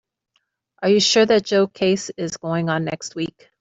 Are you sure that Joe case is going on next week?